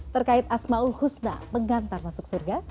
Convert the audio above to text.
terkait asma'ul husna mengantar masuk surga